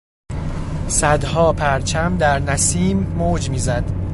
صدها پرچم در نسیم موج میزد.